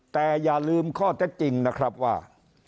แต่อย่าลืมข้อเท็จจริงนะครับว่า